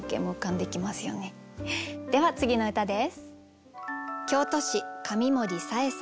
では次の歌です。